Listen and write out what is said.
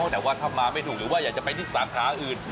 แต่ว่าถ้ามาไม่ถูกหรือว่าอยากจะไปที่สาขาอื่น